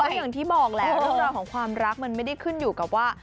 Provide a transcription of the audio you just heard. อย่างที่บอกแหละเรื่องราวของความรักมันไม่ได้ขึ้นอยู่กับว่า